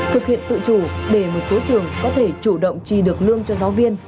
thực hiện tự chủ để một số trường có thể chủ động trì được lương cho giáo viên